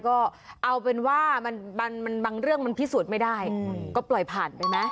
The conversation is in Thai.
ก็เอาเป็นว่าบางเรื่องมันพิสูจน์ไม่ได้ก็ปล่อยผ่านไปไหม